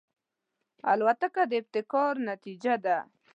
الوتکه د ابتکار نتیجه ده.